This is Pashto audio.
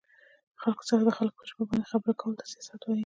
خلکو سره د خلکو په ژبه باندې خبرې کولو ته سياست وايه